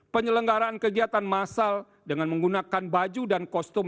penyelenggaraan kegiatan massal dengan menggunakan baju dan kostum